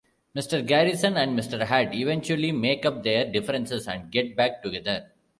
Mr. Garrison and Mr. Hat eventually make up their differences and get back together.